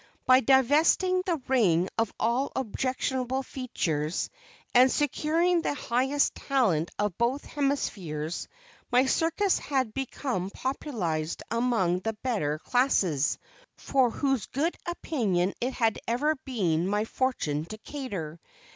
By divesting the ring of all objectionable features, and securing the highest talent of both hemispheres, my circus had become popularized among the better classes, for whose good opinion it has ever been my fortune to cater.